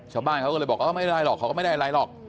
ชาวบ้านเขาก็เลยบอกไม่ได้หรอกเขาก็ไม่ได้อะไรหรอก